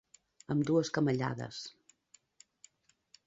Amb dues camallades.